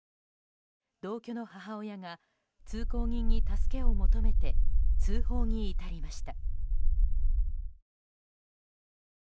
同居の母親が通行人に助けを求めて通報に至りました。